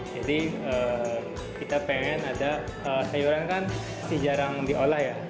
jadi kita ingin ada sayuran kan yang jarang diolah ya